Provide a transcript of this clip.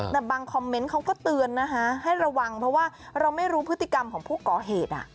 แต่บางคอมเมนต์เขาก็เตือนนะคะให้ระวังเพราะว่าเราไม่รู้พฤติกรรมของผู้ก่อเหตุ